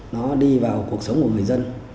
nó đi vào cuộc sống của người dân